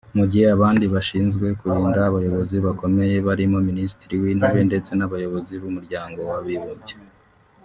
mu gihe abandi bashinzwe kurinda abayobozi bakomeye barimo Minisitiri w’Intebe ndetse n’abayobozi b’Umuryango w’Abibumbye